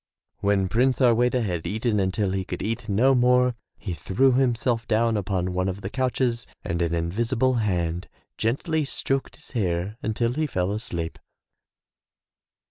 When Prince Harweda had eaten until he could eat no more he threw himself down upon one of the couches and an invisible hand gently stroked his hair until he fell asleep.